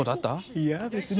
いや別に。